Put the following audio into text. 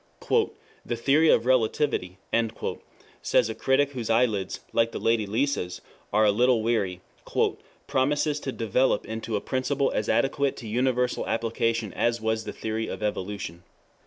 ] "The theory of Relativity," says a critic whose eyelids, like the Lady Lisa's, are a little weary, "promises to develop into a principle as adequate to universal application as was the theory of Evolution.